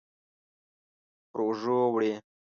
پر اوږو وړي